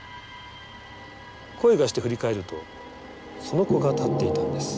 声がして振り返るとその子が立っていたんです。